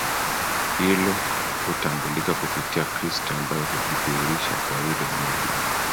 Hilo hutambulika kupitia Kristo ambaye hujidhihirisha kwa yule mwenye